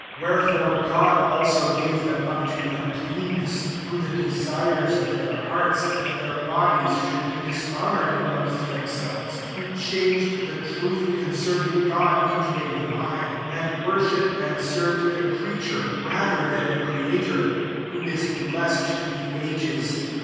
24 Wherefore God [aim] gave them up to uncleanness, through the desires of their hearts, that their bodies should be dishonoured amongst them selves; 25 who changed die truth concerning God into a lie, and worshipped, and served the creature rather than tbe Creator, who is blessed to die ages.